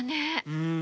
うん。